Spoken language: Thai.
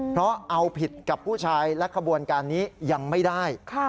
เพราะเอาผิดกับผู้ชายและขบวนการนี้ยังไม่ได้